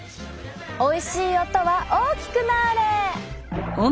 おいしい音は大きくなれ！